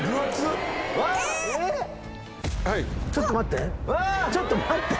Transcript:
ちょっと待って。